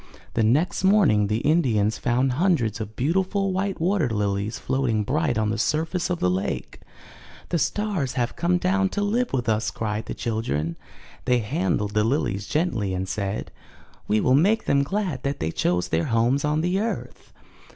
'' The next morning the Indians found hundreds of beautiful white water lilies floating bright on the surface of the lake. 'The stars have come down to live with us!" cried the children. They handled the lilies gently and said: "We will make them glad that they chose their homes on the earth."